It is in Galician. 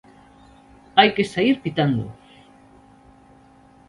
Hai que saír pitando.